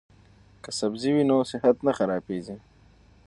که سبزی وي نو صحت نه خرابیږي.